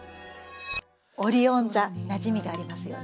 オリオン座なじみがありますよね？